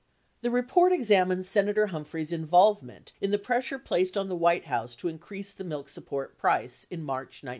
The report examines Senator Humphrey's involvement in the pressure placed on the White House to increase the milk support price in March, 1971.